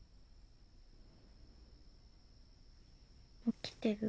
起きてる？